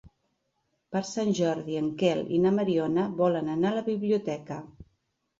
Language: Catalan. Per Sant Jordi en Quel i na Mariona volen anar a la biblioteca.